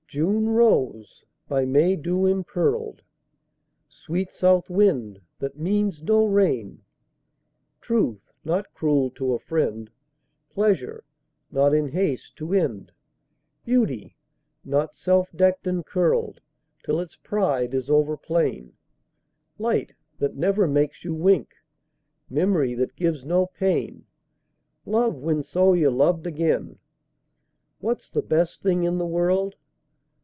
June rose, by May dew impearled; Sweet south wind, that means no rain; Truth, not cruel to a friend; Pleasure, not in haste to end; Beauty, not self decked and curled Till its pride is over plain; Light, that never makes you wink; Memory, that gives no pain; Love, when, so, you're loved again. What's the best thing in the world?